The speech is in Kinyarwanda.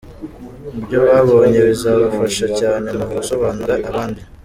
ibyo babonye bizabafasha cyane mu gusobanurira abandi.